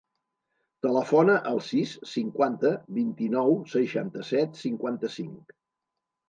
Telefona al sis, cinquanta, vint-i-nou, seixanta-set, cinquanta-cinc.